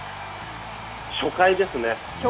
初回ですね。